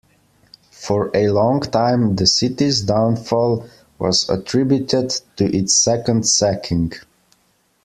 For a long time, the city's downfall was attributed to its second sacking.